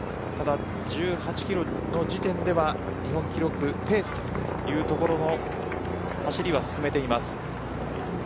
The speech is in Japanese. １８キロの時点では日本記録ペースというところの走りを進めています。